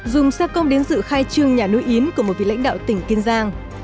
dùng xe công đến dự khai trương nhà nuôi yến của một vị lãnh đạo tỉnh kiên giang